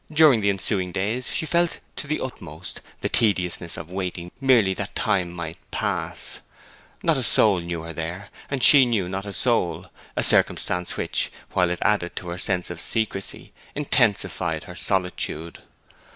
During the ensuing days she felt to the utmost the tediousness of waiting merely that time might pass. Not a soul knew her there, and she knew not a soul, a circumstance which, while it added to her sense of secrecy, intensified her solitude.